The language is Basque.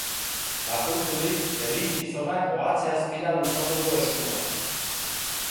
Makurturik, elizgizonak ohatze azpira luzatu du eskua.